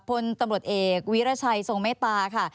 พลตำรวจเอกวิรัชัยทรงเมตตาค่ะ